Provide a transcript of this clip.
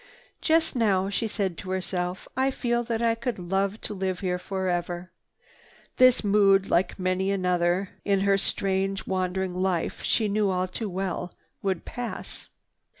"Just now," she said to herself, "I feel that I could love to live here forever." This mood, like many another in her strange, wandering life, she knew all too well, would pass.